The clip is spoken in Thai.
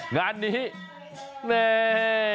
งานนี้นี่